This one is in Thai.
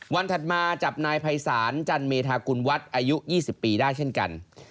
ถัดมาจับนายภัยศาลจันเมธากุลวัฒน์อายุ๒๐ปีได้เช่นกัน